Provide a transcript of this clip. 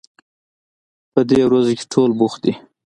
په دې ورځو کې ټول بوخت دي